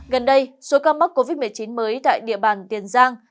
gần đây số ca mắc covid một mươi chín mới tại địa bàn tiền giang